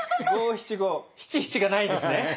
五七五七七がないんですね。